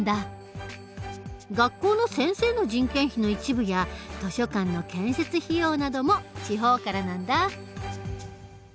学校の先生の人件費の一部や図書館の建設費用なども地方からなんだ。